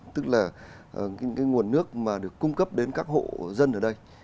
tức là cái nguồn nước mà được cung cấp đến các hộ dân ở đây